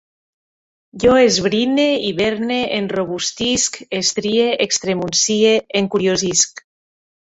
Jo esbrine, hiverne, enrobustisc, estrie, extremuncie, encuriosisc